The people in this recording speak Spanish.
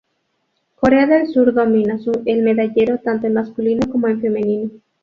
Corea del Sur domina el medallero tanto en masculino como en femenino.